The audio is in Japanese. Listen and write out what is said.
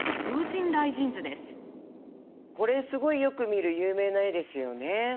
これすごいよく見る有名な絵ですよね。